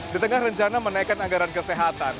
di tengah rencana menaikkan anggaran kesehatan